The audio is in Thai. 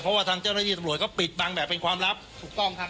เพราะว่าทางเจ้าหน้าที่ตำรวจก็ปิดบังแบบเป็นความลับถูกต้องครับ